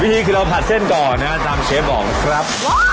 วิธีคือเราผัดเส้นก่อนนะครับจำเชฟบอกครับ